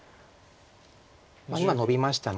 今ノビましたので。